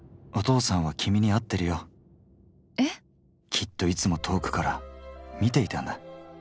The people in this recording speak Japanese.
きっといつも遠くから見ていたんだ。